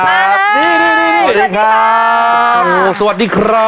มาเลยสวัสดีครับ